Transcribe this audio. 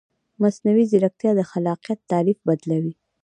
مصنوعي ځیرکتیا د خلاقیت تعریف بدلوي.